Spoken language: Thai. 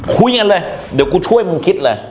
คุยกันเลยเดี๋ยวกูช่วยมึงคิดเลย